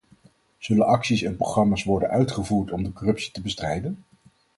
Zullen acties en programma's worden uitgevoerd om de corruptie te bestrijden?